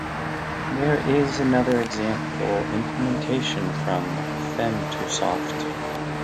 There is another example implementation from Femtosoft.